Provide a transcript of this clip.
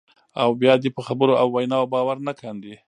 او بیا دې په خبرو او ویناوو باور نه کاندي،